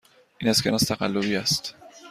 این اسکناس تقلبی است.